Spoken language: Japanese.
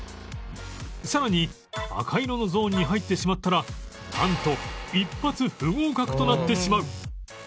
さらに赤色のゾーンに入ってしまったらなんと一発不合格となってしまう